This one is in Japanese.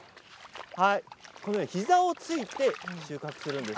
このように膝をついて収穫するんです。